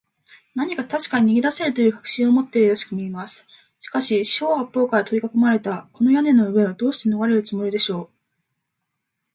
何かたしかに逃げだせるという確信を持っているらしくみえます。しかし、四ほう八ぽうからとりかこまれた、この屋根の上を、どうしてのがれるつもりでしょう。